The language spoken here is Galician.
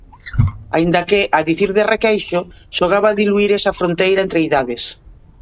Aínda que, a dicir de Requeixo, xogaba a diluír esa fronteira entre idades.